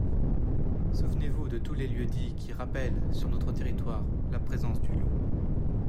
Souvenez-vous de tous les lieux-dits qui rappellent, sur notre territoire, la présence du loup.